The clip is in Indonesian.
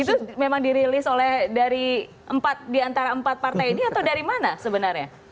itu memang dirilis oleh dari empat diantara empat partai ini atau dari mana sebenarnya